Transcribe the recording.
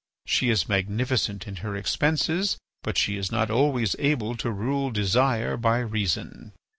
She is magnificent in her expenses, but she is not always able to rule desire by reason.